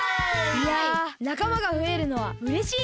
いやなかまがふえるのはうれしいなあ。